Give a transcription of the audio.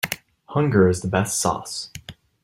Hunger is the best sauce.